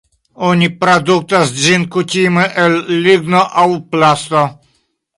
Oni produktas ĝin kutime el ligno aŭ plasto.